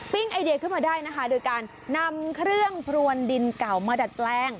ไอเดียขึ้นมาได้นะคะโดยการนำเครื่องพรวนดินเก่ามาดัดแปลง